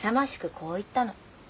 こう言ったの。